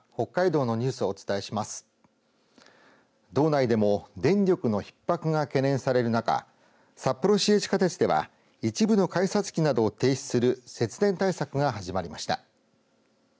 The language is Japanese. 道内でも電力のひっ迫が懸念される中札幌市営地下鉄では一部の改札機などを停止する節電対策が始まりました。